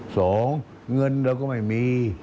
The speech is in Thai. เงินเราก็ไม่มี